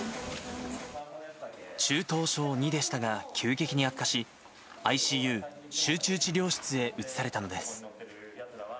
中等症２でしたが急激に悪化し、ＩＣＵ・集中治療室へ移されたのです。